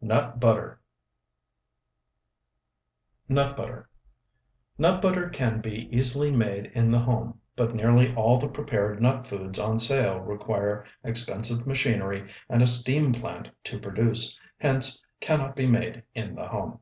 NUT BUTTER NUT BUTTER Nut butter can be easily made in the home, but nearly all the prepared nut foods on sale require expensive machinery and a steam plant to produce, hence can not be made in the home.